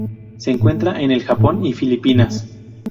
Se encuentra en el Japón y Filipinas.